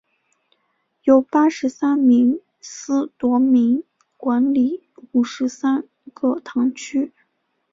由八十三名司铎名管理五十三个堂区。